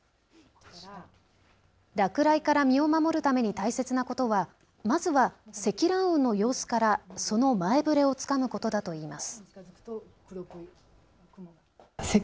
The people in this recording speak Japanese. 落雷から身を守るために大切なことはまずは積乱雲の様子からその前触れをつかむことだといいます。